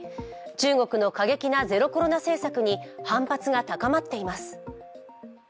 中国の過激なゼロコロナ政策に反発が高まっています。